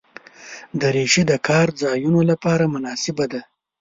دریشي د کار ځایونو لپاره مناسبه ده.